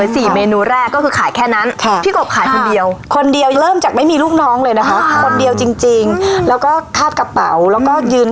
สี่โต๊ะเนี่ยประมาณ๓เดือน